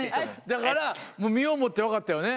だからもう身をもって分かったよね。